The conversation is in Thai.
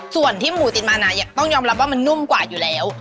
ส่วนที่หมูติดมานะต้องยอมรับว่ามันนุ่มกว่าอยู่แล้ว